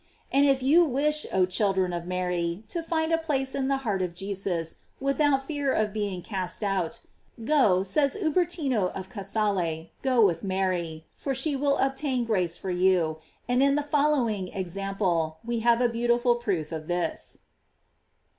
And if you wish, oh children of Mary, to find a place in the heart of Jesus without fear of being cast out, go, says Ubertino of Casale, go with Mary, for she will obtain grace for you;J and in the following ex ample we have a beautiful proof of this.